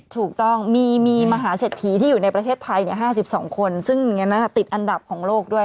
ถูกต้องมีมหาเศรษฐีที่อยู่ในประเทศไทย๕๒คนซึ่งติดอันดับของโลกด้วย